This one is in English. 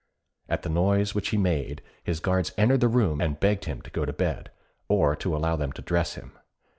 At the noise which he made his guards entered the room and begged him to go to bed, or to allow them to dress him.